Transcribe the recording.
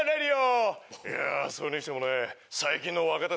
それにしてもね。